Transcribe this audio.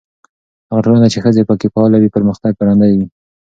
هغه ټولنه چې ښځې پکې فعالې وي، پرمختګ ګړندی وي.